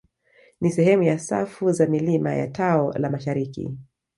Ni sehemu ya safu za milima ya tao la mashariki